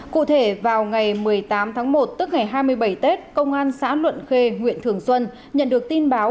cụ thể vào ngày một mươi tám tháng một tức ngày hai mươi bảy tết công an xã luận khê huyện thường xuân nhận được tin báo